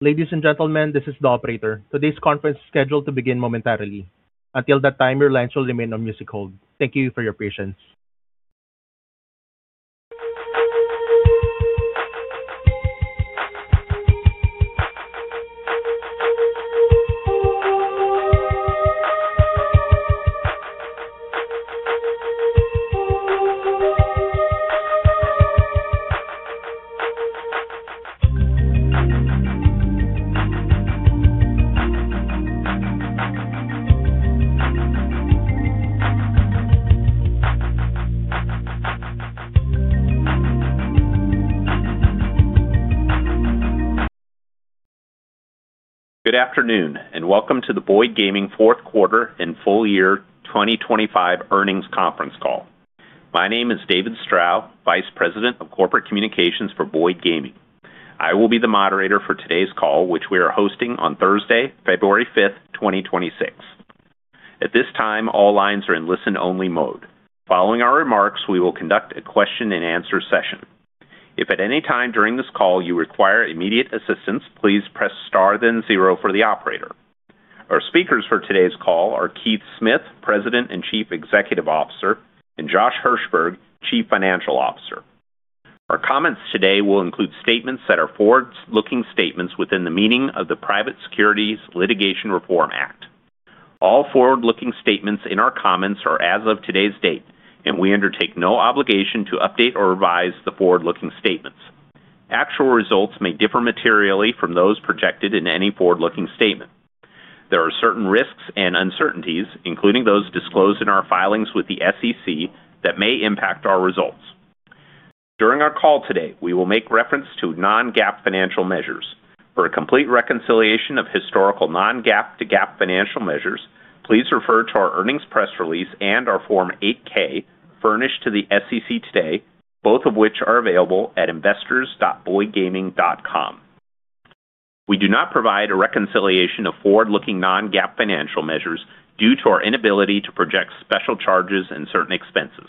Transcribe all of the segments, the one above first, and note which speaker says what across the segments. Speaker 1: Ladies and gentlemen, this is the operator. Today's conference is scheduled to begin momentarily. Until that time, your lines will remain on music hold. Thank you for your patience.
Speaker 2: Good afternoon, and welcome to the Boyd Gaming fourth quarter and full year 2025 earnings conference call. My name is David Strow, Vice President of Corporate Communications for Boyd Gaming. I will be the moderator for today's call, which we are hosting on Thursday, February 5th, 2026. At this time, all lines are in listen-only mode. Following our remarks, we will conduct a question-and-answer session. If at any time during this call you require immediate assistance, please press Star, then zero for the operator. Our speakers for today's call are Keith Smith, President and Chief Executive Officer, and Josh Hirsberg, Chief Financial Officer. Our comments today will include statements that are forward-looking statements within the meaning of the Private Securities Litigation Reform Act. All forward-looking statements in our comments are as of today's date, and we undertake no obligation to update or revise the forward-looking statements. Actual results may differ materially from those projected in any forward-looking statement. There are certain risks and uncertainties, including those disclosed in our filings with the SEC, that may impact our results. During our call today, we will make reference to non-GAAP financial measures. For a complete reconciliation of historical non-GAAP to GAAP financial measures, please refer to our earnings press release and our Form 8-K furnished to the SEC today, both of which are available at investors.boydgaming.com. We do not provide a reconciliation of forward-looking non-GAAP financial measures due to our inability to project special charges and certain expenses.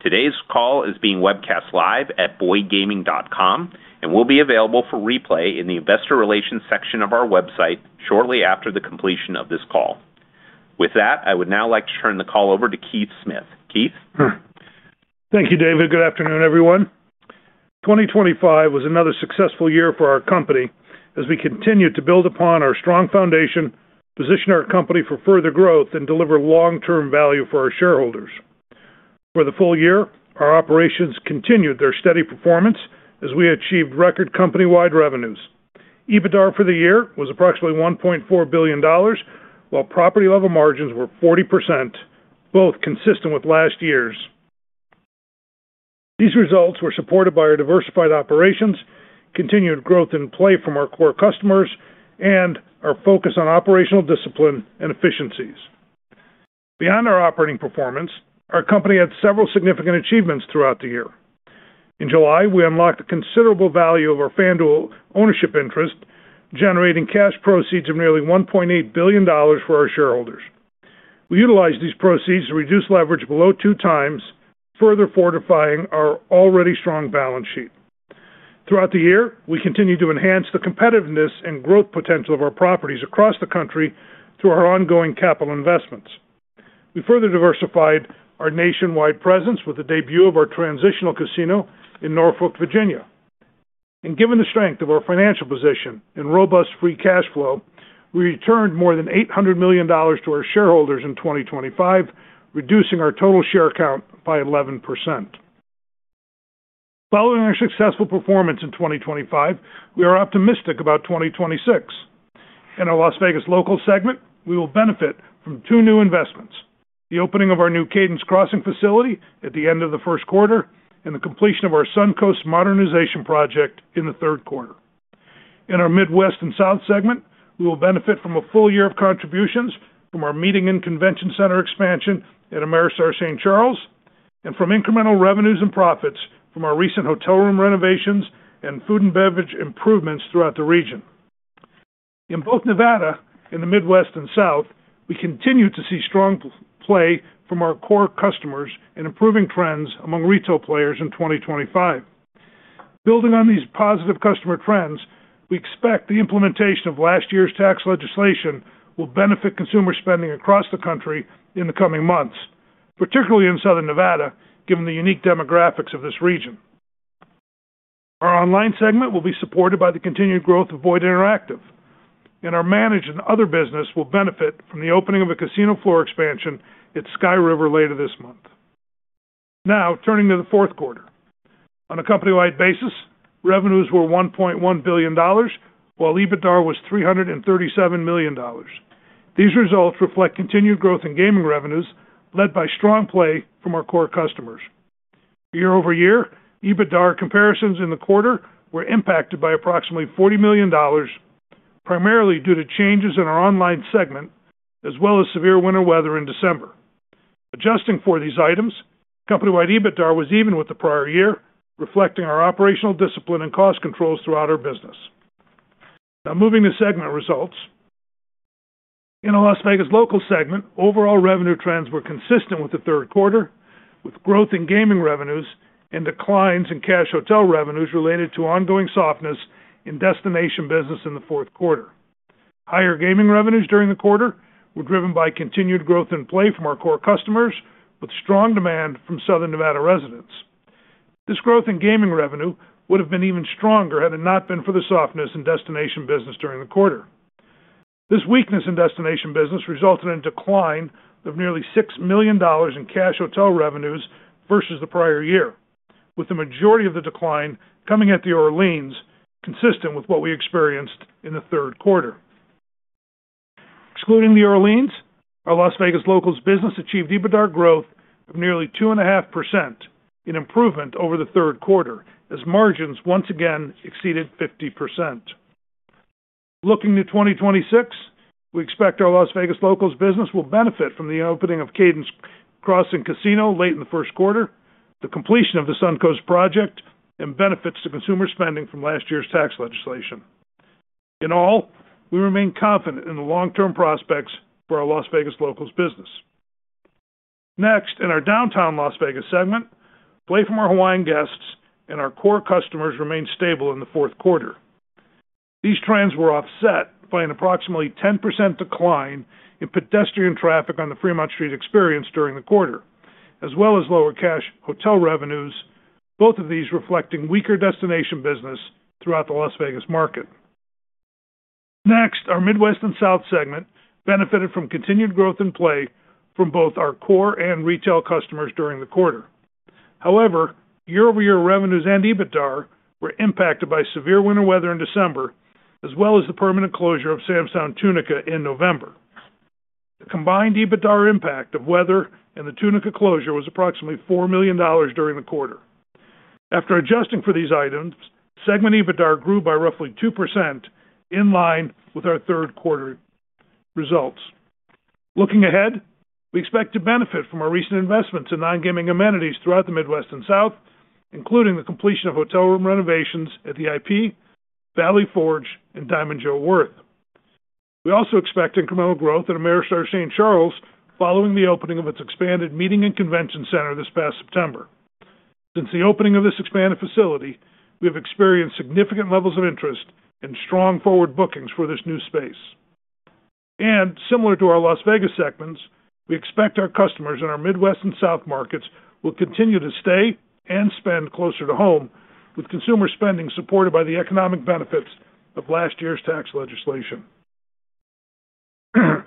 Speaker 2: Today's call is being webcast live at boydgaming.com and will be available for replay in the investor relations section of our website shortly after the completion of this call. With that, I would now like to turn the call over to Keith Smith. Keith?
Speaker 3: Thank you, David. Good afternoon, everyone. 2025 was another successful year for our company as we continued to build upon our strong foundation, position our company for further growth, and deliver long-term value for our shareholders. For the full year, our operations continued their steady performance as we achieved record company-wide revenues. EBITDA for the year was approximately $1.4 billion, while property level margins were 40%, both consistent with last year's. These results were supported by our diversified operations, continued growth in play from our core customers, and our focus on operational discipline and efficiencies. Beyond our operating performance, our company had several significant achievements throughout the year. In July, we unlocked a considerable value of our FanDuel ownership interest, generating cash proceeds of nearly $1.8 billion for our shareholders. We utilized these proceeds to reduce leverage below 2x, further fortifying our already strong balance sheet. Throughout the year, we continued to enhance the competitiveness and growth potential of our properties across the country through our ongoing capital investments. We further diversified our nationwide presence with the debut of our transitional casino in Norfolk, Virginia. And given the strength of our financial position and robust free cash flow, we returned more than $800 million to our shareholders in 2025, reducing our total share count by 11%. Following our successful performance in 2025, we are optimistic about 2026. In our Las Vegas Locals segment, we will benefit from two new investments: the opening of our new Cadence Crossing facility at the end of the first quarter, and the completion of our Suncoast modernization project in the third quarter. In our Midwest and South segment, we will benefit from a full year of contributions from our meeting and convention center expansion at Ameristar St. Charles, and from incremental revenues and profits from our recent hotel room renovations and food and beverage improvements throughout the region. In both Nevada and the Midwest and South, we continued to see strong play from our core customers and improving trends among retail players in 2025. Building on these positive customer trends, we expect the implementation of last year's tax legislation will benefit consumer spending across the country in the coming months, particularly in southern Nevada, given the unique demographics of this region. Our Online Segment will be supported by the continued growth of Boyd Interactive, and our managed and ther business will benefit from the opening of a casino floor expansion at Sky River later this month. Now, turning to the fourth quarter. On a company-wide basis, revenues were $1.1 billion, while EBITDA was $337 million. These results reflect continued growth in gaming revenues, led by strong play from our core customers. Year-over-year, EBITDA comparisons in the quarter were impacted by approximately $40 million, primarily due to changes in our Online segment, as well as severe winter weather in December. Adjusting for these items, company-wide EBITDA was even with the prior year, reflecting our operational discipline and cost controls throughout our business. Now, moving to segment results. In our Las Vegas Locals segment, overall revenue trends were consistent with the third quarter, with growth in gaming revenues and declines in cash hotel revenues related to ongoing softness in destination business in the fourth quarter. Higher gaming revenues during the quarter were driven by continued growth in play from our core customers, with strong demand from Southern Nevada residents. This growth in gaming revenue would have been even stronger had it not been for the softness in destination business during the quarter. This weakness in destination business resulted in a decline of nearly $6 million in cash hotel revenues versus the prior year, with the majority of the decline coming at the Orleans, consistent with what we experienced in the third quarter. Excluding the Orleans, our Las Vegas locals business achieved EBITDAR growth of nearly 2.5%, an improvement over the third quarter, as margins once again exceeded 50%. Looking to 2026, we expect our Las Vegas locals business will benefit from the opening of Cadence Crossing Casino late in the first quarter, the completion of the Suncoast project, and benefits to consumer spending from last year's tax legislation. In all, we remain confident in the long-term prospects for our Las Vegas locals business. Next, in our Downtown Las Vegas segment, play from our Hawaiian guests and our core customers remained stable in the fourth quarter. These trends were offset by an approximately 10% decline in pedestrian traffic on the Fremont Street Experience during the quarter, as well as lower cash hotel revenues, both of these reflecting weaker destination business throughout the Las Vegas market. Next, our Midwest and South segment benefited from continued growth in play from both our core and retail customers during the quarter. However, year-over-year revenues and EBITDAR were impacted by severe winter weather in December, as well as the permanent closure of Sam's Town Tunica in November. The combined EBITDAR impact of weather and the Tunica closure was approximately $4 million during the quarter. After adjusting for these items, segment EBITDAR grew by roughly 2%, in line with our third quarter results. Looking ahead, we expect to benefit from our recent investments in non-gaming amenities throughout the Midwest and South, including the completion of hotel room renovations at the IP, Valley Forge, and Diamond Jo Worth. We also expect incremental growth at Ameristar St. Charles, following the opening of its expanded meeting and convention center this past September. Since the opening of this expanded facility, we have experienced significant levels of interest and strong forward bookings for this new space. Similar to our Las Vegas segments, we expect our customers in our Midwest and South markets will continue to stay and spend closer to home, with consumer spending supported by the economic benefits of last year's tax legislation.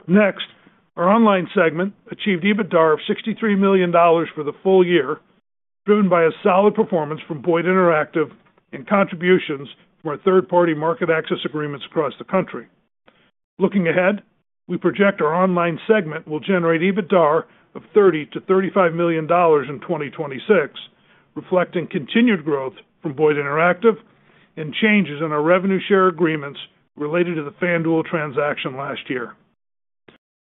Speaker 3: Next, our online segment achieved EBITDAR of $63 million for the full year, driven by a solid performance from Boyd Interactive and contributions from our third-party market access agreements across the country. Looking ahead, we project our online segment will generate EBITDAR of $30 million-$35 million in 2026, reflecting continued growth from Boyd Interactive and changes in our revenue share agreements related to the FanDuel transaction last year.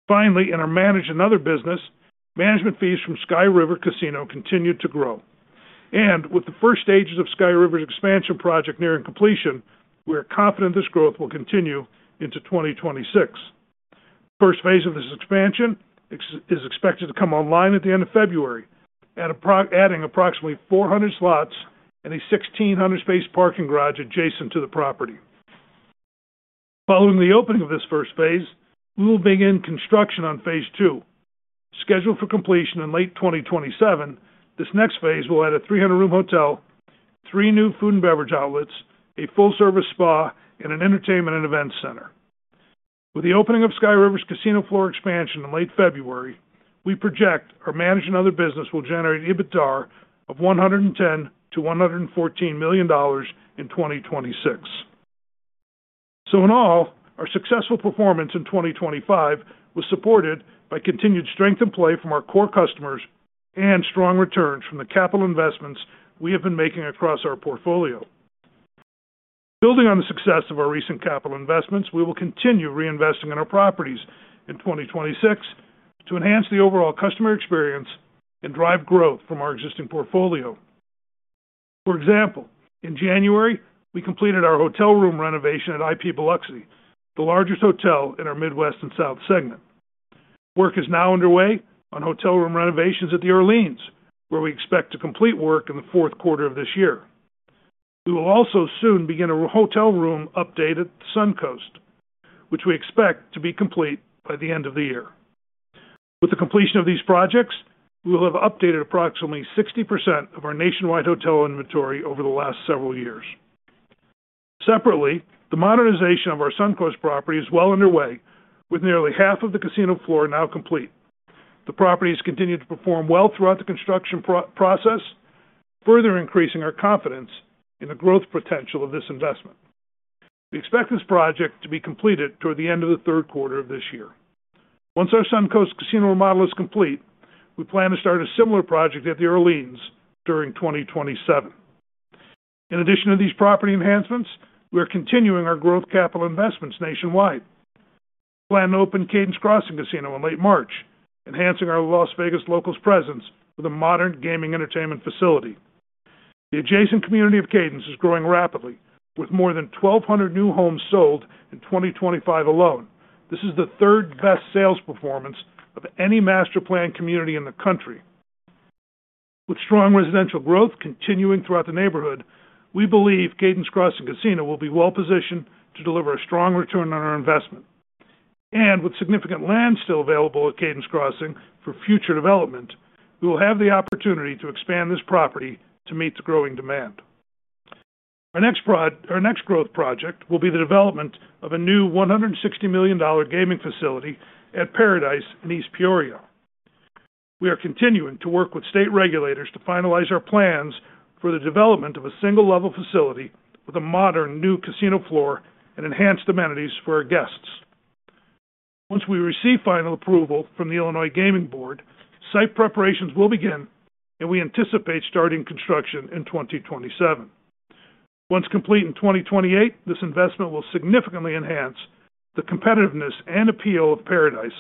Speaker 3: Finally, in our managed and other business, management fees from Sky River Casino continued to grow. With the first stages of Sky River's expansion project nearing completion, we are confident this growth will continue into 2026. First phase of this expansion is expected to come online at the end of February, adding approximately 400 slots and a 1,600-space parking garage adjacent to the property. Following the opening of this first phase, we will begin construction on phase two. Scheduled for completion in late 2027, this next phase will add a 300-room hotel, three new food and beverage outlets, a full-service spa, and an entertainment and event center. With the opening of Sky River's casino floor expansion in late February, we project our managed and other business will generate EBITDAR of $110 million-$114 million in 2026. So in all, our successful performance in 2025 was supported by continued strength and play from our core customers and strong returns from the capital investments we have been making across our portfolio. Building on the success of our recent capital investments, we will continue reinvesting in our properties in 2026 to enhance the overall customer experience and drive growth from our existing portfolio. For example, in January, we completed our hotel room renovation at IP Biloxi, the largest hotel in our Midwest and South segment. Work is now underway on hotel room renovations at the Orleans, where we expect to complete work in the fourth quarter of this year. We will also soon begin a hotel room update at Suncoast, which we expect to be complete by the end of the year. With the completion of these projects, we will have updated approximately 60% of our nationwide hotel inventory over the last several years. Separately, the modernization of our Suncoast property is well underway, with nearly half of the casino floor now complete. The property has continued to perform well throughout the construction process, further increasing our confidence in the growth potential of this investment. We expect this project to be completed toward the end of the third quarter of this year. Once our Suncoast Casino remodel is complete, we plan to start a similar project at the Orleans during 2027. In addition to these property enhancements, we are continuing our growth capital investments nationwide. We plan to open Cadence Crossing Casino in late March, enhancing our Las Vegas locals presence with a modern gaming entertainment facility. The adjacent community of Cadence is growing rapidly, with more than 1,200 new homes sold in 2025 alone. This is the third-best sales performance of any master-planned community in the country. With strong residential growth continuing throughout the neighborhood, we believe Cadence Crossing Casino will be well positioned to deliver a strong return on our investment. And with significant land still available at Cadence Crossing for future development, we will have the opportunity to expand this property to meet the growing demand. Our next growth project will be the development of a new $160 million gaming facility at Par-A-Dice in East Peoria. We are continuing to work with state regulators to finalize our plans for the development of a single-level facility with a modern new casino floor and enhanced amenities for our guests. Once we receive final approval from the Illinois Gaming Board, site preparations will begin, and we anticipate starting construction in 2027. Once complete in 2028, this investment will significantly enhance the competitiveness and appeal of Par-A-Dice,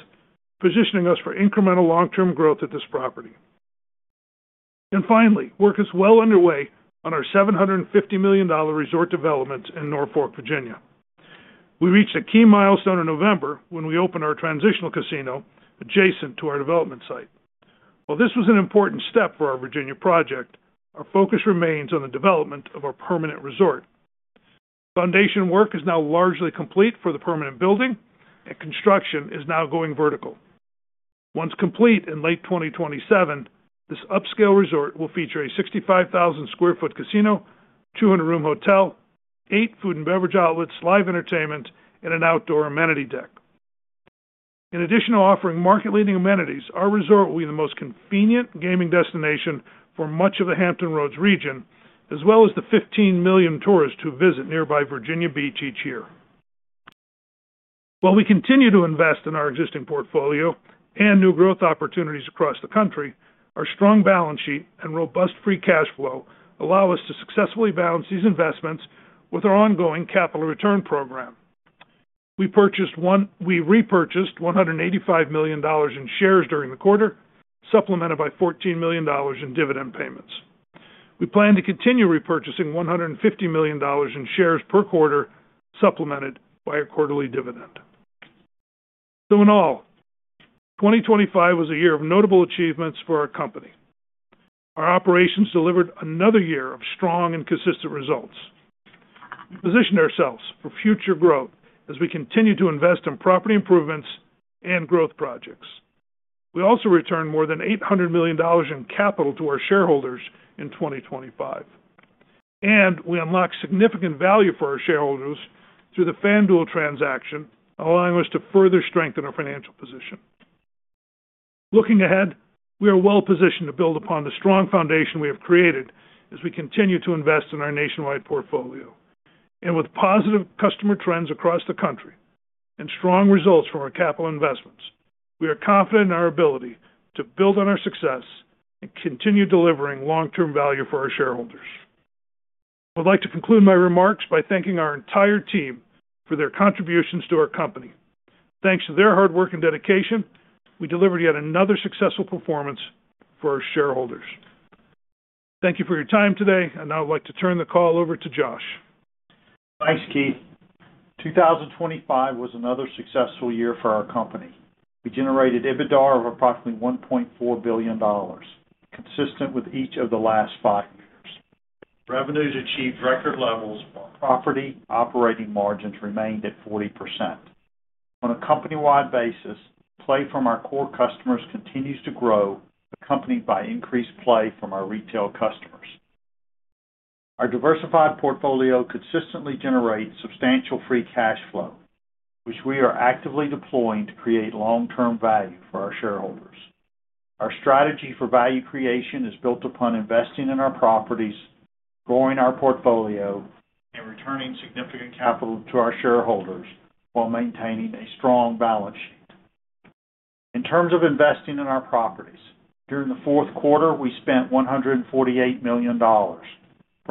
Speaker 3: positioning us for incremental long-term growth at this property. And finally, work is well underway on our $750 million resort development in Norfolk, Virginia. We reached a key milestone in November when we opened our transitional casino adjacent to our development site. While this was an important step for our Virginia project, our focus remains on the development of our permanent resort. Foundation work is now largely complete for the permanent building, and construction is now going vertical. Once complete in late 2027, this upscale resort will feature a 65,000 sq ft casino, 200-room hotel, eight food and beverage outlets, live entertainment, and an outdoor amenity deck. In addition to offering market-leading amenities, our resort will be the most convenient gaming destination for much of the Hampton Roads region, as well as the 15 million tourists who visit nearby Virginia Beach each year. While we continue to invest in our existing portfolio and new growth opportunities across the country, our strong balance sheet and robust free cash flow allow us to successfully balance these investments with our ongoing capital return program. We repurchased $185 million in shares during the quarter, supplemented by $14 million in dividend payments. We plan to continue repurchasing $150 million in shares per quarter, supplemented by a quarterly dividend. So in all, 2025 was a year of notable achievements for our company. Our operations delivered another year of strong and consistent results. We positioned ourselves for future growth as we continue to invest in property improvements and growth projects. We also returned more than $800 million in capital to our shareholders in 2025, and we unlocked significant value for our shareholders through the FanDuel transaction, allowing us to further strengthen our financial position. Looking ahead, we are well positioned to build upon the strong foundation we have created as we continue to invest in our nationwide portfolio. With positive customer trends across the country and strong results from our capital investments, we are confident in our ability to build on our success and continue delivering long-term value for our shareholders. I'd like to conclude my remarks by thanking our entire team for their contributions to our company. Thanks to their hard work and dedication, we delivered yet another successful performance for our shareholders. Thank you for your time today, and now I'd like to turn the call over to Josh.
Speaker 4: Thanks, Keith. 2025 was another successful year for our company. We generated EBITDA of approximately $1.4 billion, consistent with each of the last five years. Revenues achieved record levels, while property operating margins remained at 40%. On a company-wide basis, play from our core customers continues to grow, accompanied by increased play from our retail customers. Our diversified portfolio consistently generates substantial free cash flow, which we are actively deploying to create long-term value for our shareholders. Our strategy for value creation is built upon investing in our properties, growing our portfolio, and returning significant capital to our shareholders while maintaining a strong balance sheet. In terms of investing in our properties, during the fourth quarter, we spent $148 million,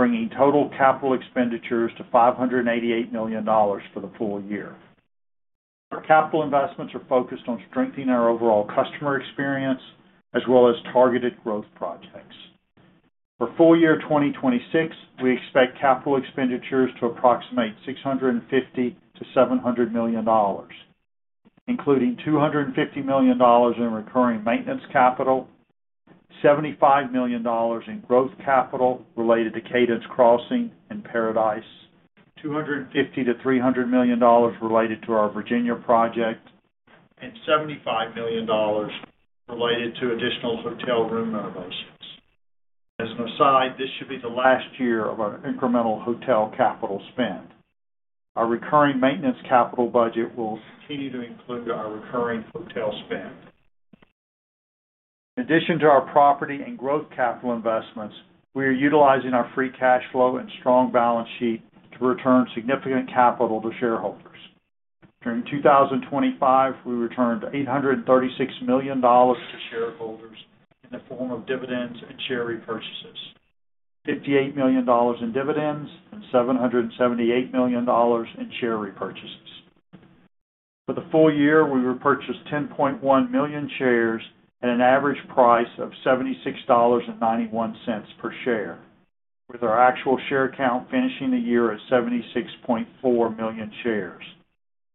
Speaker 4: bringing total capital expenditures to $588 million for the full year. Our capital investments are focused on strengthening our overall customer experience as well as targeted growth projects. For full year 2026, we expect capital expenditures to approximate $650 million-$700 million, including $250 million in recurring maintenance capital, $75 million in growth capital related to Cadence Crossing and Par-A-Dice, $250 million-$300 million related to our Virginia project, and $75 million related to additional hotel room renovations. As an aside, this should be the last year of our incremental hotel capital spend. Our recurring maintenance capital budget will continue to include our recurring hotel spend. In addition to our property and growth capital investments, we are utilizing our free cash flow and strong balance sheet to return significant capital to shareholders. During 2025, we returned $836 million to shareholders in the form of dividends and share repurchases, $58 million in dividends and $778 million in share repurchases. For the full year, we repurchased 10.1 million shares at an average price of $76.91 per share, with our actual share count finishing the year at 76.4 million shares,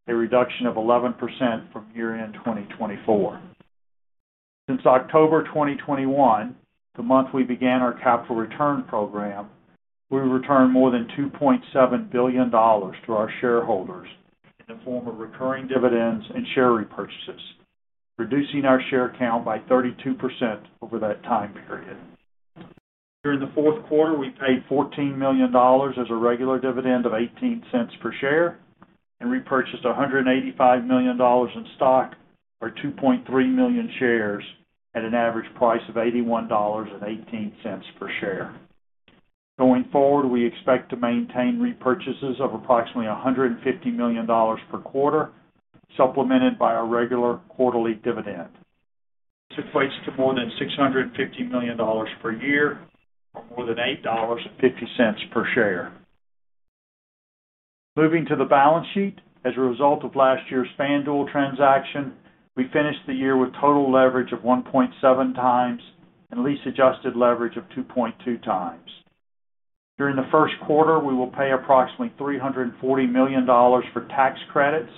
Speaker 4: a reduction of 11% from year-end 2024. Since October 2021, the month we began our capital return program, we returned more than $2.7 billion to our shareholders in the form of recurring dividends and share repurchases, reducing our share count by 32% over that time period. During the fourth quarter, we paid $14 million as a regular dividend of $0.18 per share and repurchased $185 million in stock, or 2.3 million shares at an average price of $81.18 per share. Going forward, we expect to maintain repurchases of approximately $150 million per quarter, supplemented by our regular quarterly dividend. This equates to more than $650 million per year or more than $8.50 per share. Moving to the balance sheet. As a result of last year's FanDuel transaction, we finished the year with total leverage of 1.7x and lease-adjusted leverage of 2.2x. During the first quarter, we will pay approximately $340 million for tax credits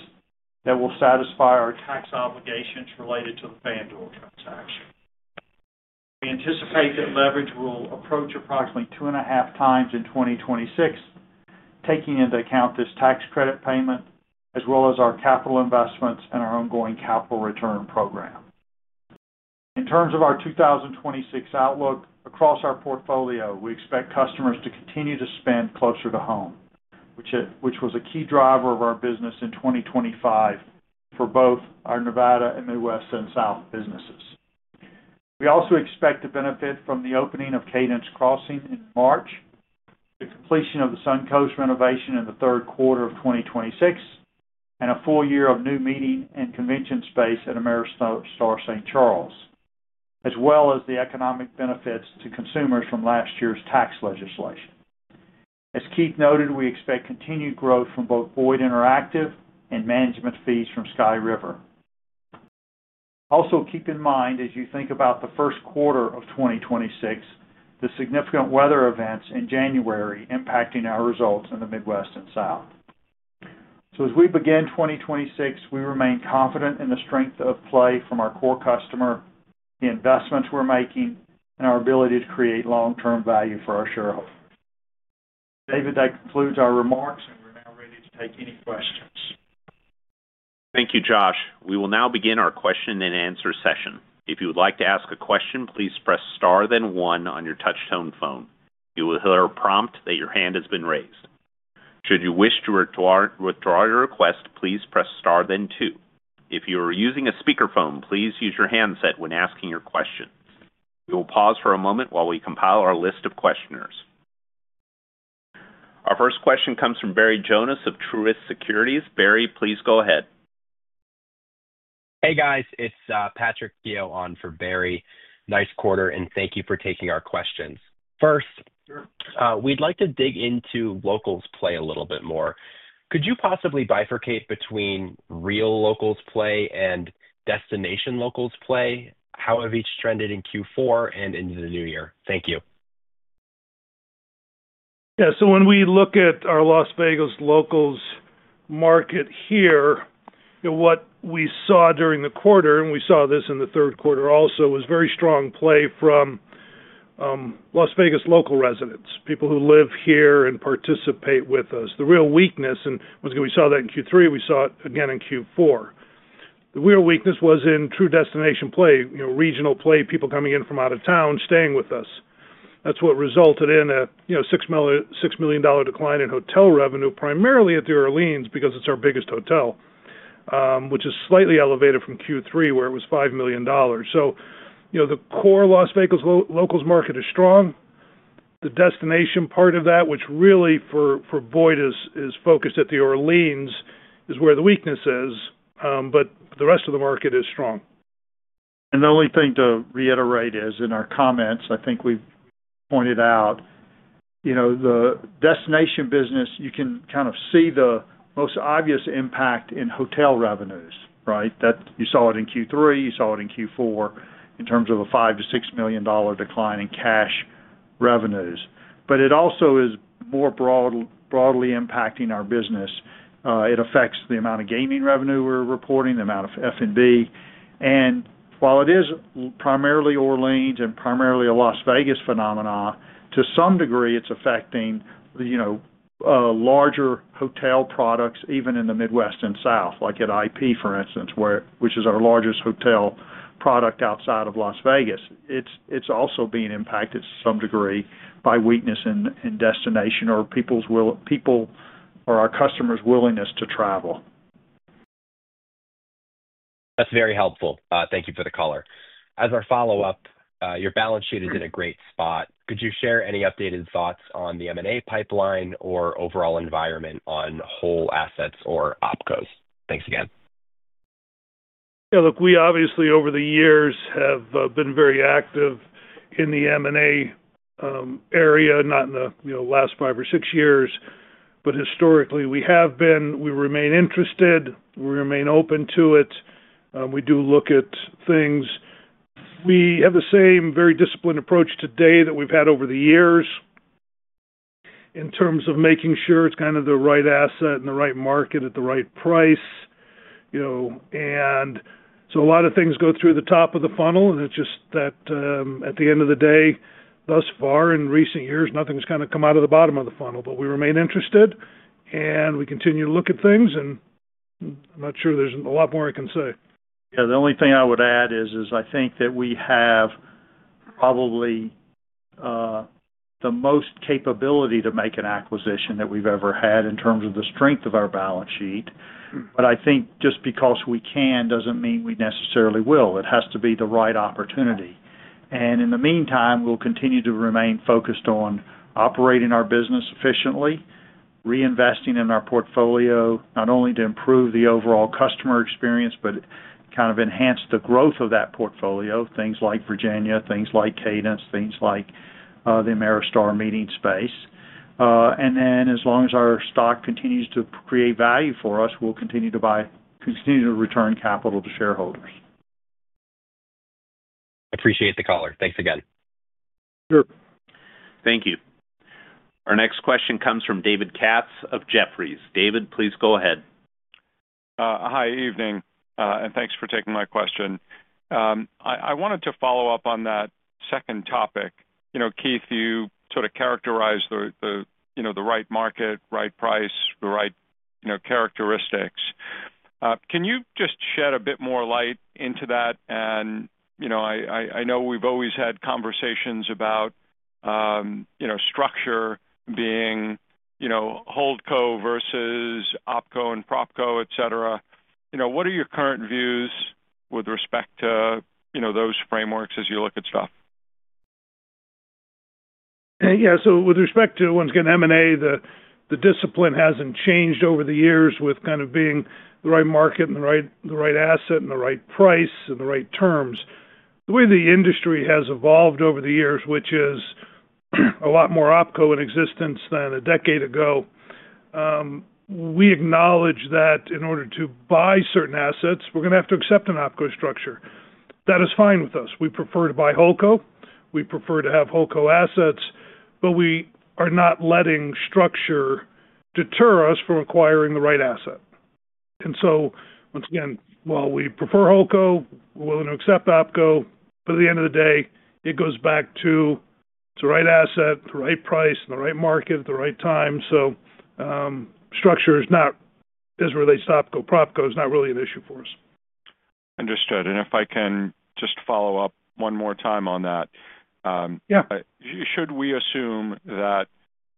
Speaker 4: that will satisfy our tax obligations related to the FanDuel transaction. We anticipate that leverage will approach approximately 2.5x in 2026, taking into account this tax credit payment, as well as our capital investments and our ongoing capital return program. In terms of our 2026 outlook, across our portfolio, we expect customers to continue to spend closer to home, which, which was a key driver of our business in 2025 for both our Nevada and Midwest and South businesses. We also expect to benefit from the opening of Cadence Crossing in March, the completion of the Suncoast renovation in the third quarter of 2026, and a full year of new meeting and convention space at Ameristar St. Charles as well as the economic benefits to consumers from last year's tax legislation. As Keith noted, we expect continued growth from both Boyd Interactive and management fees from Sky River. Also, keep in mind, as you think about the first quarter of 2026, the significant weather events in January impacting our results in the Midwest and South. So as we begin 2026, we remain confident in the strength of play from our core customer, the investments we're making, and our ability to create long-term value for our shareholders. David, that concludes our remarks, and we're now ready to take any questions.
Speaker 2: Thank you, Josh. We will now begin our question-and-answer session. If you would like to ask a question, please press star, then one on your touchtone phone. You will hear a prompt that your hand has been raised. Should you wish to withdraw your request, please press star, then two. If you are using a speakerphone, please use your handset when asking your question. We will pause for a moment while we compile our list of questioners. Our first question comes from Barry Jonas of Truist Securities. Barry, please go ahead.
Speaker 5: Hey, guys, it's Patrick Keough on for Barry. Nice quarter, and thank you for taking our questions. First, we'd like to dig into locals play a little bit more. Could you possibly bifurcate between real locals play and destination locals play? How have each trended in Q4 and into the new year? Thank you.
Speaker 3: Yeah. So when we look at our Las Vegas locals market here, what we saw during the quarter, and we saw this in the third quarter also, was very strong play from Las Vegas local residents, people who live here and participate with us. The real weakness, and we saw that in Q3, we saw it again in Q4. The real weakness was in true destination play, you know, regional play, people coming in from out of town, staying with us. That's what resulted in a, you know, $6 million decline in hotel revenue, primarily at the Orleans, because it's our biggest hotel, which is slightly elevated from Q3, where it was $5 million. So, you know, the core Las Vegas locals market is strong. The destination part of that, which really for Boyd is focused at the Orleans, is where the weakness is, but the rest of the market is strong.
Speaker 4: The only thing to reiterate is, in our comments, I think we've pointed out, you know, the destination business, you can kind of see the most obvious impact in hotel revenues, right? That you saw it in Q3, you saw it in Q4 in terms of a $5 million-$6 million decline in cash revenues. But it also is more broadly impacting our business. It affects the amount of gaming revenue we're reporting, the amount of F&B. And while it is primarily Orleans and primarily a Las Vegas phenomenon, to some degree, it's affecting, you know, larger hotel products, even in the Midwest and South, like at IP, for instance, which is our largest hotel product outside of Las Vegas. It's also being impacted to some degree by weakness in destination or people's willingness to travel.
Speaker 5: That's very helpful. Thank you for the color. As our follow-up, your balance sheet is in a great spot. Could you share any updated thoughts on the M&A pipeline or overall environment on whole assets or OpCo? Thanks again.
Speaker 3: Yeah, look, we obviously, over the years, have been very active in the M&A area, not in the, you know, last five or six years. But historically, we have been. We remain interested. We remain open to it. We do look at things. We have the same very disciplined approach today that we've had over the years in terms of making sure it's kind of the right asset in the right market at the right price, you know. And so a lot of things go through the top of the funnel, and it's just that, at the end of the day, thus far in recent years, nothing's kind of come out of the bottom of the funnel. But we remain interested, and we continue to look at things, and I'm not sure there's a lot more I can say.
Speaker 4: Yeah, the only thing I would add is I think that we have probably the most capability to make an acquisition that we've ever had in terms of the strength of our balance sheet. But I think just because we can, doesn't mean we necessarily will. It has to be the right opportunity. And in the meantime, we'll continue to remain focused on operating our business efficiently, reinvesting in our portfolio, not only to improve the overall customer experience, but kind of enhance the growth of that portfolio, things like Virginia, things like Cadence, things like the Ameristar meeting space. And then, as long as our stock continues to create value for us, we'll continue to return capital to shareholders.
Speaker 5: Appreciate the color. Thanks again.
Speaker 3: Sure.
Speaker 2: Thank you. Our next question comes from David Katz of Jefferies. David, please go ahead.
Speaker 6: Hi, evening. Thanks for taking my question. I wanted to follow up on that second topic. You know, Keith, you sort of characterized the you know, the right market, right price, the right, you know, characteristics. Can you just shed a bit more light into that? You know, I know we've always had conversations about, you know, structure being, you know, holdco versus OpCo and PropCo, et cetera. You know, what are your current views with respect to, you know, those frameworks as you look at stuff?
Speaker 3: Yeah, so with respect to, once again, M&A, the discipline hasn't changed over the years with kind of being the right market and the right asset and the right price and the right terms. The way the industry has evolved over the years, which is a lot more OpCo in existence than a decade ago, we acknowledge that in order to buy certain assets, we're gonna have to accept an OpCo structure. That is fine with us. We prefer to buy HoldCo. We prefer to have Holdco assets, but we are not letting structure deter us from acquiring the right asset. And so once again, while we prefer Holdco, we're willing to accept OpCo, but at the end of the day, it goes back to the right asset, the right price, and the right market at the right time. Structure is not, as it relates to OpCo, Propco is not really an issue for us.
Speaker 6: Understood. And if I can just follow up one more time on that,
Speaker 3: Yeah.
Speaker 6: Should we assume that,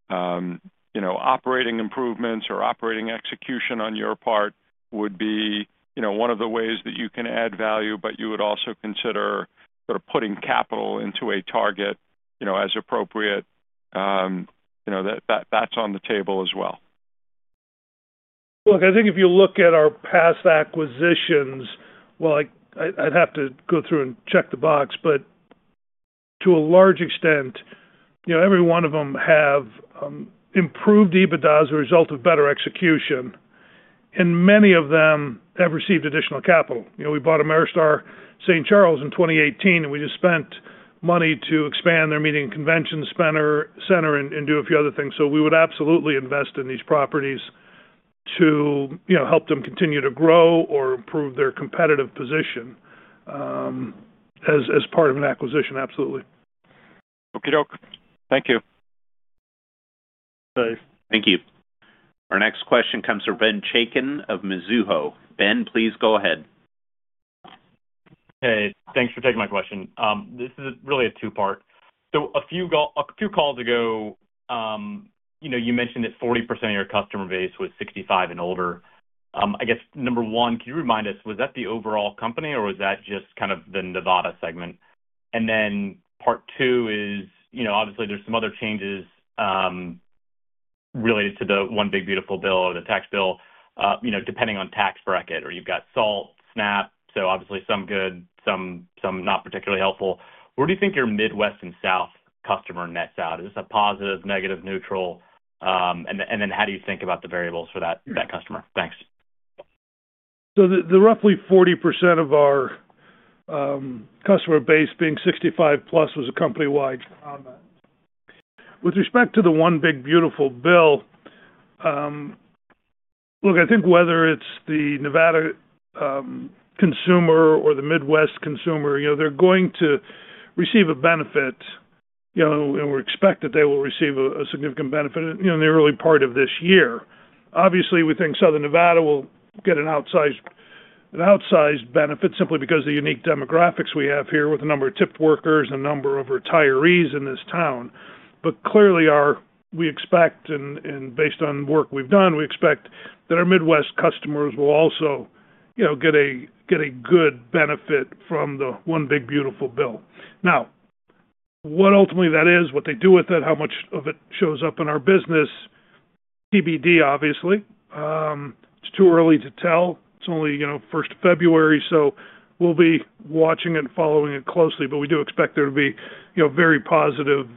Speaker 6: you know, operating improvements or operating execution on your part would be, you know, one of the ways that you can add value, but you would also consider sort of putting capital into a target, you know, as appropriate, you know, that that's on the table as well?
Speaker 3: Look, I think if you look at our past acquisitions, well, I, I'd have to go through and check the box, but to a large extent, you know, every one of them have improved EBITDA as a result of better execution, and many of them have received additional capital. You know, we bought Ameristar St. Charles in 2018, and we just spent money to expand their meeting convention center and do a few other things. So we would absolutely invest in these properties to, you know, help them continue to grow or improve their competitive position as part of an acquisition. Absolutely.
Speaker 6: Okie doke. Thank you.
Speaker 3: Bye.
Speaker 2: Thank you. Our next question comes from Ben Chaiken of Mizuho. Ben, please go ahead.
Speaker 7: Hey, thanks for taking my question. This is really a two-part. So a few calls ago, you know, you mentioned that 40% of your customer base was 65 and older. I guess, number one, can you remind us, was that the overall company, or was that just kind of the Nevada segment? And then part two is, you know, obviously, there's some other changes, related to the one big beautiful bill or the tax bill, you know, depending on tax bracket, or you've got SALT, SNAP, so obviously some good, some not particularly helpful. Where do you think your Midwest and South customer nets out? Is this a positive, negative, neutral? And then how do you think about the variables for that customer? Thanks.
Speaker 3: So the roughly 40% of our customer base being 65+ was a company-wide comment. With respect to the one big beautiful bill, look, I think whether it's the Nevada consumer or the Midwest consumer, you know, they're going to receive a benefit, you know, and we expect that they will receive a significant benefit, you know, in the early part of this year. Obviously, we think Southern Nevada will get an outsized benefit simply because of the unique demographics we have here, with the number of tipped workers and number of retirees in this town. But clearly, our—we expect, and based on work we've done, we expect that our Midwest customers will also, you know, get a good benefit from the one big beautiful bill. What ultimately that is, what they do with it, how much of it shows up in our business? TBD, obviously. It's too early to tell. It's only, you know, first of February, so we'll be watching and following it closely, but we do expect there to be, you know, very positive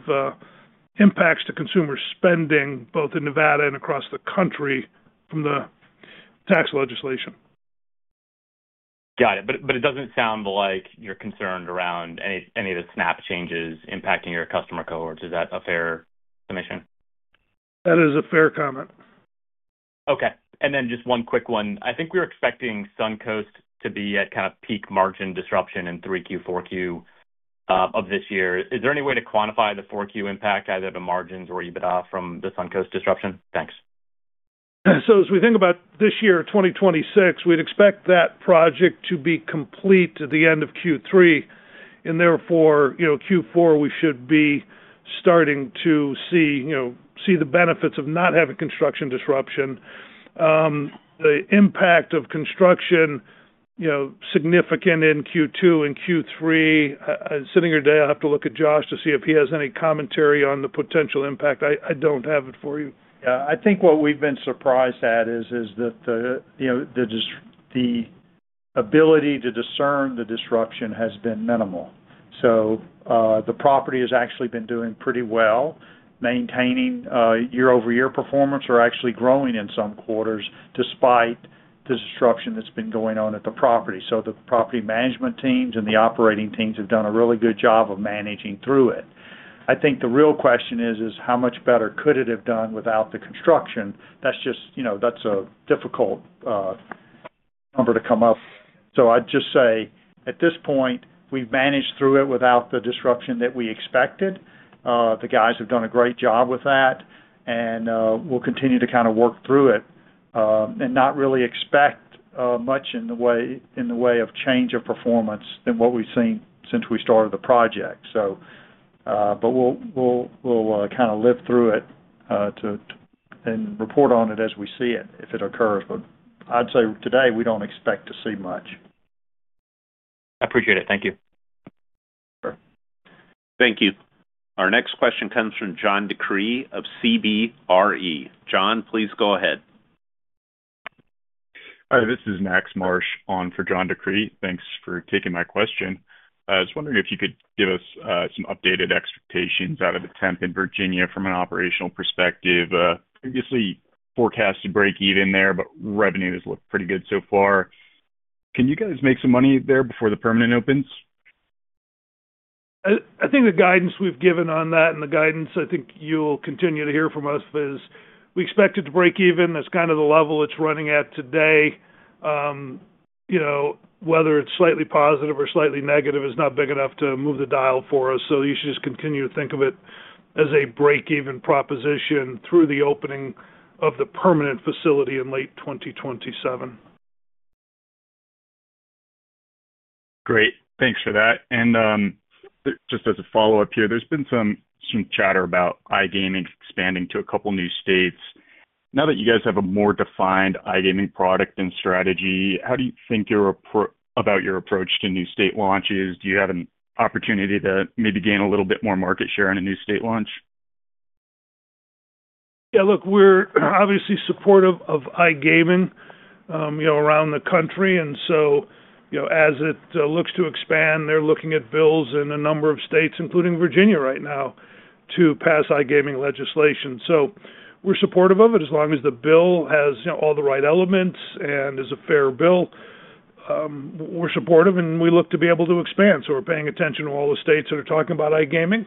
Speaker 3: impacts to consumer spending, both in Nevada and across the country, from the tax legislation.
Speaker 7: Got it. But it doesn't sound like you're concerned around any of the SNAP changes impacting your customer cohorts. Is that a fair assumption?
Speaker 3: That is a fair comment.
Speaker 7: Okay. And then just one quick one. I think we were expecting Suncoast to be at kind of peak margin disruption in 3Q, 4Q of this year. Is there any way to quantify the 4Q impact, either the margins or EBITDA, from the Suncoast disruption? Thanks.
Speaker 3: So as we think about this year, 2026, we'd expect that project to be complete at the end of Q3, and therefore, you know, Q4, we should be starting to see, you know, see the benefits of not having construction disruption. The impact of construction, you know, significant in Q2 and Q3. Sitting here today, I'll have to look at Josh to see if he has any commentary on the potential impact. I don't have it for you.
Speaker 4: Yeah, I think what we've been surprised at is that the, you know, the ability to discern the disruption has been minimal. So, the property has actually been doing pretty well, maintaining year-over-year performance or actually growing in some quarters, despite the disruption that's been going on at the property. So the property management teams and the operating teams have done a really good job of managing through it. I think the real question is how much better could it have done without the construction? That's just, you know, that's a difficult number to come up. So I'd just say, at this point, we've managed through it without the disruption that we expected. The guys have done a great job with that, and we'll continue to kind of work through it, and not really expect much in the way of change of performance than what we've seen since we started the project. So, but we'll kind of live through it and report on it as we see it, if it occurs. But I'd say today, we don't expect to see much.
Speaker 7: I appreciate it. Thank you.
Speaker 4: Sure.
Speaker 2: Thank you. Our next question comes from John DeCree of CBRE. John, please go ahead.
Speaker 8: Hi, this is Max Marsh on for John DeCree. Thanks for taking my question. I was wondering if you could give us, some updated expectations out of the temp in Virginia from an operational perspective. Previously forecasted break even there, but revenue does look pretty good so far. Can you guys make some money there before the permanent opens?
Speaker 3: I think the guidance we've given on that and the guidance I think you'll continue to hear from us is we expect it to break even. That's kind of the level it's running at today. You know, whether it's slightly positive or slightly negative is not big enough to move the dial for us, so you should just continue to think of it as a break-even proposition through the opening of the permanent facility in late 2027.
Speaker 8: Great. Thanks for that. Just as a follow-up here, there's been some chatter about iGaming expanding to a couple of new states. Now that you guys have a more defined iGaming product and strategy, how do you think about your approach to new state launches? Do you have an opportunity to maybe gain a little bit more market share on a new state launch?
Speaker 3: Yeah, look, we're obviously supportive of iGaming, you know, around the country, and so, you know, as it looks to expand, they're looking at bills in a number of states, including Virginia right now, to pass iGaming legislation. So we're supportive of it as long as the bill has, you know, all the right elements and is a fair bill. We're supportive, and we look to be able to expand. So we're paying attention to all the states that are talking about iGaming,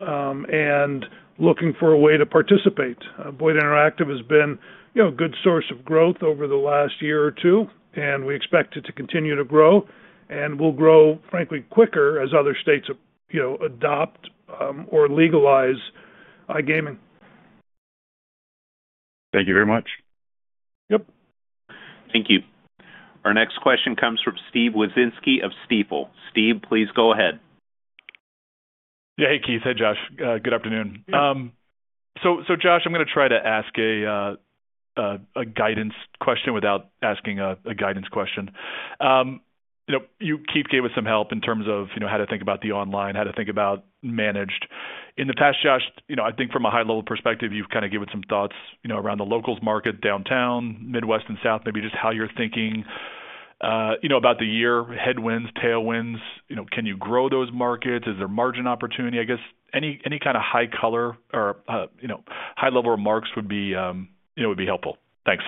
Speaker 3: and looking for a way to participate. Boyd Interactive has been, you know, a good source of growth over the last year or two, and we expect it to continue to grow, and will grow, frankly, quicker as other states, you know, adopt, or legalize iGaming.
Speaker 8: Thank you very much.
Speaker 3: Yep.
Speaker 2: Thank you. Our next question comes from Steven Wieczynski of Stifel. Steve, please go ahead.
Speaker 9: Yeah, hey, Keith. Hey, Josh. Good afternoon. So, Josh, I'm gonna try to ask a guidance question without asking a guidance question. You know, Keith, you gave us some help in terms of, you know, how to think about the online, how to think about managed. In the past, Josh, you know, I think from a high-level perspective, you've kind of given some thoughts, you know, around the locals market, downtown, Midwest, and South, maybe just how you're thinking, you know, about the year, headwinds, tailwinds, you know, can you grow those markets? Is there margin opportunity? I guess any kind of high color or, you know, high-level remarks would be, you know, would be helpful. Thanks.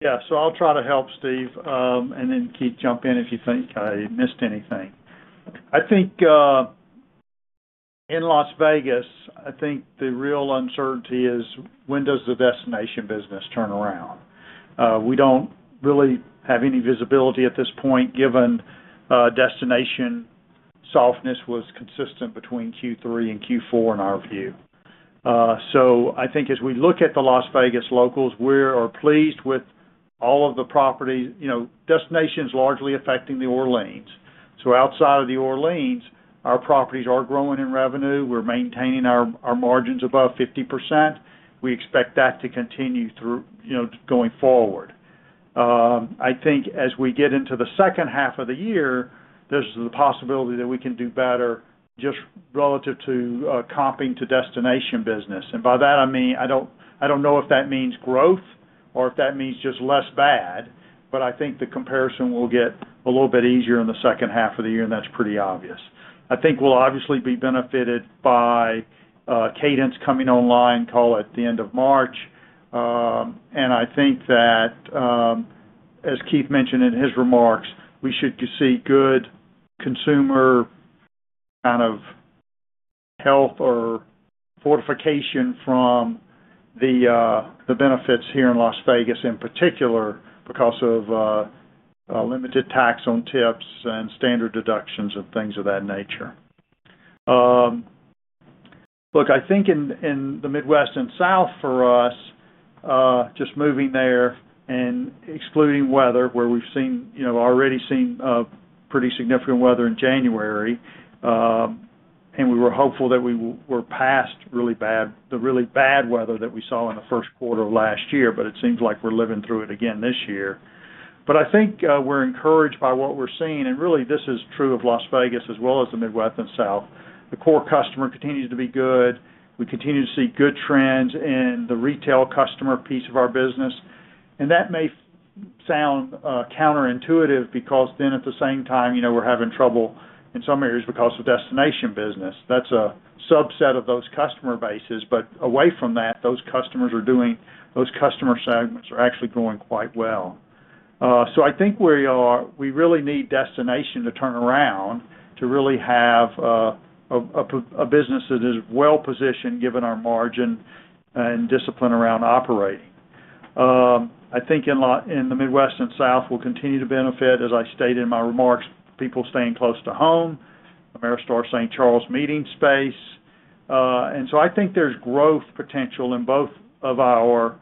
Speaker 4: Yeah, so I'll try to help, Steve, and then, Keith, jump in if you think I missed anything. I think, in Las Vegas, I think the real uncertainty is: When does the destination business turn around? We don't really have any visibility at this point, given, destination softness was consistent between Q3 and Q4, in our view. So I think as we look at the Las Vegas locals, we are pleased with all of the properties. You know, destination is largely affecting the Orleans. So outside of the Orleans, our properties are growing in revenue. We're maintaining our, our margins above 50%. We expect that to continue through, you know, going forward... I think as we get into the second half of the year, there's the possibility that we can do better just relative to, comping to destination business. By that, I mean, I don't, I don't know if that means growth or if that means just less bad, but I think the comparison will get a little bit easier in the second half of the year, and that's pretty obvious. I think we'll obviously be benefited by Cadence coming online, call it, at the end of March. And I think that, as Keith mentioned in his remarks, we should see good consumer kind of health or fortification from the benefits here in Las Vegas, in particular, because of limited tax on tips and standard deductions and things of that nature. Look, I think in, in the Midwest and South for us, just moving there and excluding weather, where we've seen, you know, already seen pretty significant weather in January. And we were hopeful that we were past the really bad weather that we saw in the first quarter of last year, but it seems like we're living through it again this year. But I think, we're encouraged by what we're seeing, and really, this is true of Las Vegas as well as the Midwest and South. The core customer continues to be good. We continue to see good trends in the retail customer piece of our business, and that may sound counterintuitive, because then at the same time, you know, we're having trouble in some areas because of destination business. That's a subset of those customer bases, but away from that, those customers are doing. Those customer segments are actually growing quite well. So I think we really need destination to turn around to really have a business that is well positioned, given our margin and discipline around operating. I think in the Midwest and South, we'll continue to benefit, as I stated in my remarks, people staying close to home, Ameristar St. Charles meeting space. And so I think there's growth potential in both of our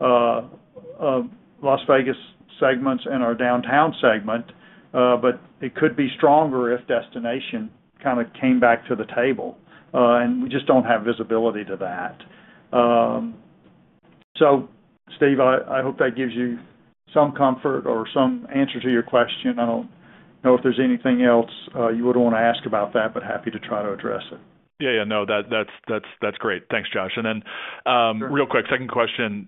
Speaker 4: Las Vegas segments and our downtown segment. But it could be stronger if destination kind of came back to the table, and we just don't have visibility to that. So Steve, I hope that gives you some comfort or some answer to your question. I don't know if there's anything else you would want to ask about that, but happy to try to address it.
Speaker 9: Yeah, yeah. No, that's great. Thanks, Josh. And then, real quick, second question: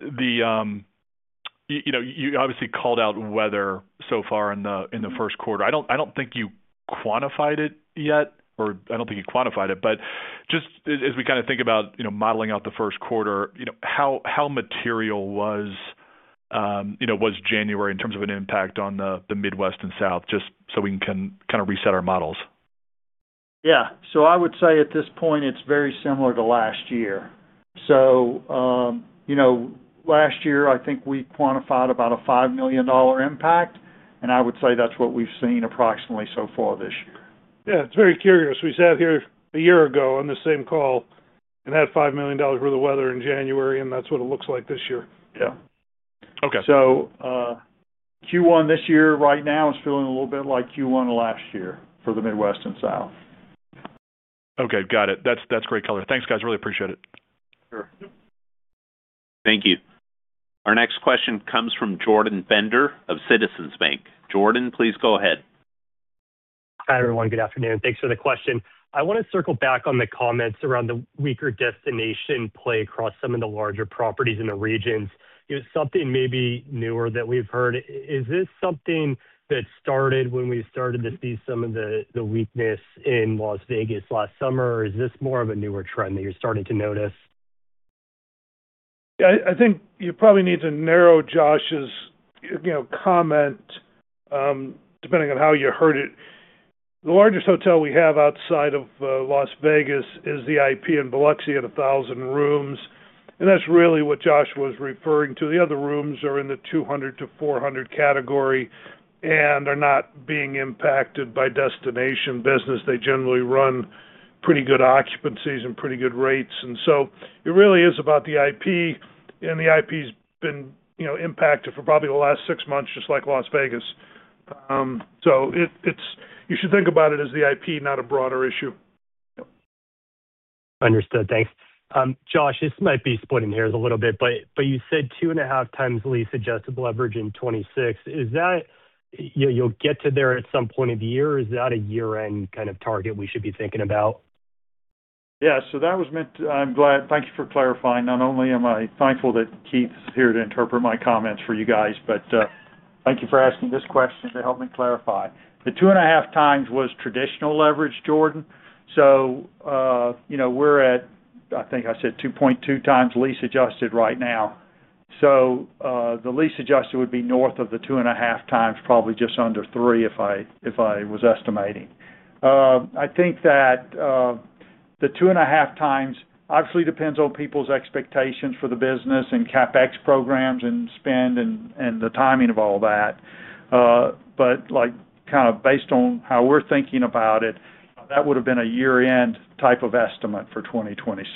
Speaker 9: You know, you obviously called out weather so far in the first quarter. I don't think you quantified it yet, but just as we kind of think about, you know, modeling out the first quarter, you know, how material was January in terms of an impact on the Midwest and South, just so we can kind of reset our models?
Speaker 4: Yeah. So I would say at this point, it's very similar to last year. So, you know, last year, I think we quantified about a $5 million impact, and I would say that's what we've seen approximately so far this year.
Speaker 3: Yeah, it's very curious. We sat here a year ago on the same call and had $5 million worth of weather in January, and that's what it looks like this year.
Speaker 4: Yeah.
Speaker 9: Okay.
Speaker 4: Q1 this year, right now, is feeling a little bit like Q1 last year for the Midwest and South.
Speaker 9: Okay, got it. That's, that's great color. Thanks, guys. Really appreciate it.
Speaker 3: Sure.
Speaker 2: Thank you. Our next question comes from Jordan Bender of Citizens JMP. Jordan, please go ahead.
Speaker 10: Hi, everyone. Good afternoon. Thanks for the question. I want to circle back on the comments around the weaker destination play across some of the larger properties in the regions. It's something maybe newer that we've heard. Is this something that started when we started to see some of the weakness in Las Vegas last summer, or is this more of a newer trend that you're starting to notice?
Speaker 3: I think you probably need to narrow Josh's, you know, comment, depending on how you heard it. The largest hotel we have outside of Las Vegas is the IP in Biloxi at 1,000 rooms, and that's really what Josh was referring to. The other rooms are in the 200-400 category and are not being impacted by destination business. They generally run pretty good occupancies and pretty good rates, and so it really is about the IP, and the IP's been, you know, impacted for probably the last six months, just like Las Vegas. So it, it's you should think about it as the IP, not a broader issue.
Speaker 10: Understood. Thanks. Josh, this might be splitting hairs a little bit, but, but you said 2.5x lease-adjusted leverage in 2026. Is that, you know, you'll get to there at some point in the year, or is that a year-end kind of target we should be thinking about?
Speaker 4: Yeah, so that was meant. I'm glad. Thank you for clarifying. Not only am I thankful that Keith is here to interpret my comments for you guys, but thank you for asking this question to help me clarify. The 2.5x was traditional leverage, Jordan. So, you know, we're at, I think I said 2.2x lease adjusted right now. So, the lease adjusted would be north of the 2.5x, probably just under three, if I was estimating. I think that the 2.5x obviously depends on people's expectations for the business and CapEx programs and spend and the timing of all that. But, like, kind of based on how we're thinking about it, that would have been a year-end type of estimate for 2026.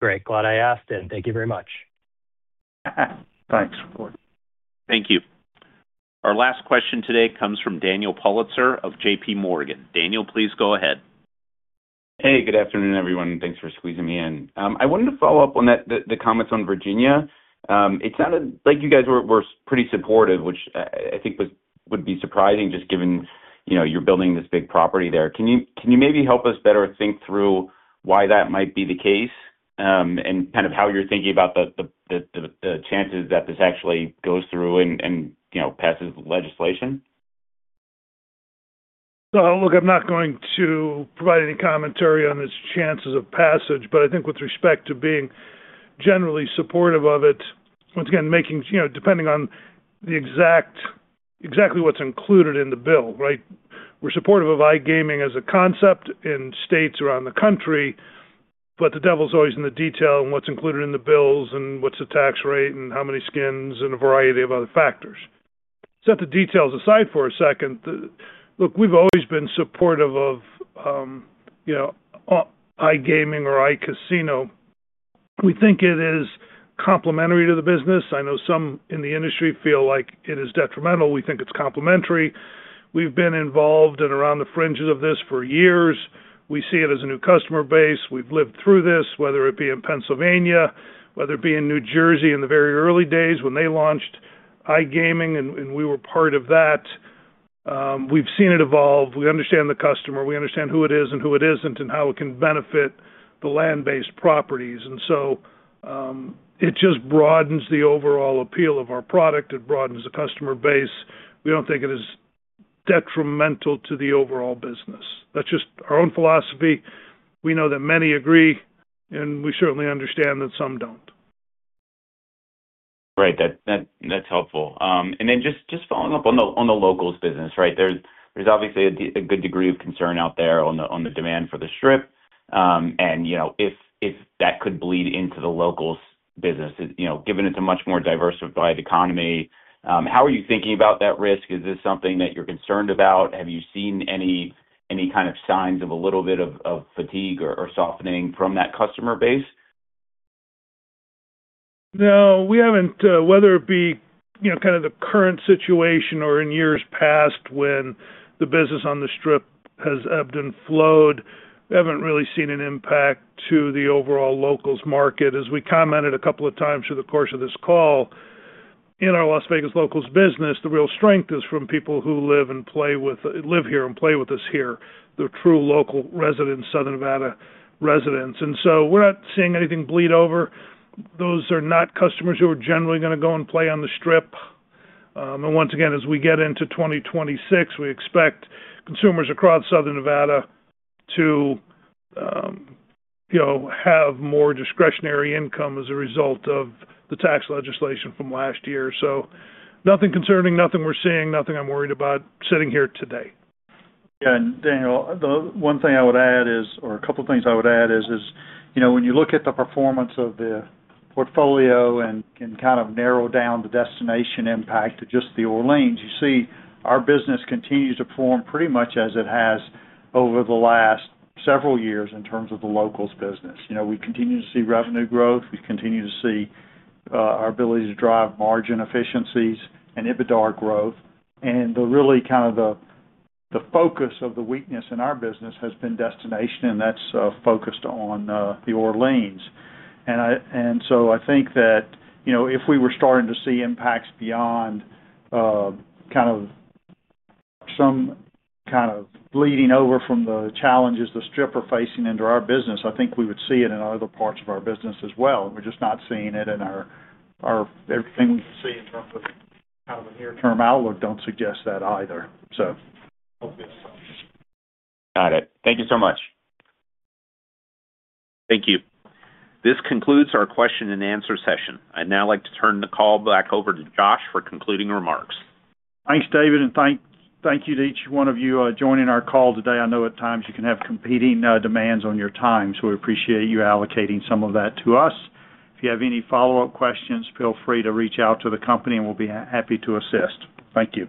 Speaker 10: Great. Glad I asked then. Thank you very much.
Speaker 4: Thanks, Jordan.
Speaker 2: Thank you. Our last question today comes from Dan Politzer of J.P. Morgan. Dan, please go ahead.
Speaker 11: Hey, good afternoon, everyone, and thanks for squeezing me in. I wanted to follow up on that, the comments on Virginia. It sounded like you guys were pretty supportive, which I think would be surprising, just given, you know, you're building this big property there. Can you maybe help us better think through why that might be the case, and kind of how you're thinking about the chances that this actually goes through and, you know, passes legislation?
Speaker 3: So look, I'm not going to provide any commentary on its chances of passage, but I think with respect to being generally supportive of it, once again, making you know, depending on exactly what's included in the bill, right? We're supportive of iGaming as a concept in states around the country, but the devil's always in the detail, and what's included in the bills, and what's the tax rate, and how many skins, and a variety of other factors. Set the details aside for a second. Look, we've always been supportive of, you know, iGaming or iCasino. We think it is complementary to the business. I know some in the industry feel like it is detrimental. We think it's complementary. We've been involved and around the fringes of this for years. We see it as a new customer base. We've lived through this, whether it be in Pennsylvania, whether it be in New Jersey in the very early days when they launched iGaming and we were part of that. We've seen it evolve. We understand the customer, we understand who it is and who it isn't, and how it can benefit the land-based properties. So, it just broadens the overall appeal of our product. It broadens the customer base. We don't think it is detrimental to the overall business. That's just our own philosophy. We know that many agree, and we certainly understand that some don't.
Speaker 11: Right. That, that's helpful. And then just following up on the locals business, right? There's obviously a good degree of concern out there on the demand for the Strip. You know, if that could bleed into the locals business, you know, given it's a much more diversified economy, how are you thinking about that risk? Is this something that you're concerned about? Have you seen any kind of signs of a little bit of fatigue or softening from that customer base?
Speaker 3: No, we haven't. Whether it be, you know, kind of the current situation or in years past when the business on the Strip has ebbed and flowed, we haven't really seen an impact to the overall locals market. As we commented a couple of times through the course of this call, in our Las Vegas locals business, the real strength is from people who live and play with-- live here and play with us here, the true local residents, Southern Nevada residents. And so we're not seeing anything bleed over. Those are not customers who are generally gonna go and play on the Strip. And once again, as we get into 2026, we expect consumers across Southern Nevada to, you know, have more discretionary income as a result of the tax legislation from last year. Nothing concerning, nothing we're seeing, nothing I'm worried about sitting here today.
Speaker 4: Yeah, and Daniel, the one thing I would add is, or a couple of things I would add is, you know, when you look at the performance of the portfolio and can kind of narrow down the destination impact to just the Orleans, you see our business continues to perform pretty much as it has over the last several years in terms of the locals business. You know, we continue to see revenue growth. We continue to see our ability to drive margin efficiencies and EBITDA growth. And really kind of the focus of the weakness in our business has been destination, and that's focused on the Orleans. So I think that, you know, if we were starting to see impacts beyond kind of some kind of bleeding over from the challenges the Strip are facing into our business, I think we would see it in other parts of our business as well. We're just not seeing it in everything we see in terms of kind of the near-term outlook don't suggest that either, so.
Speaker 11: Got it. Thank you so much.
Speaker 2: Thank you. This concludes our question and answer session. I'd now like to turn the call back over to Josh for concluding remarks.
Speaker 4: Thanks, David, and thank you to each one of you joining our call today. I know at times you can have competing demands on your time, so we appreciate you allocating some of that to us. If you have any follow-up questions, feel free to reach out to the company, and we'll be happy to assist. Thank you.